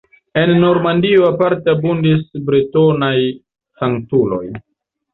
En Normandio aparte abundis bretonaj sanktuloj.